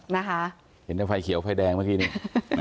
นะคะเห็นแต่ไฟเขียวไฟแดงเมื่อกี้นี่